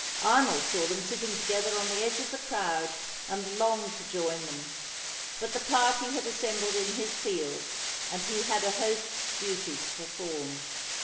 Arnold saw them sitting together on the edge of the crowd, and longed to join them. But the party had assembled in his field, and he had a host's duties to perform.